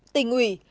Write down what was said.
một tình ủy